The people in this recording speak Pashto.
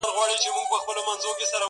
زه خپله مينه ټولومه له جهانه څخه _